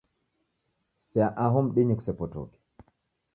Sea aho mdinyi kusepotoke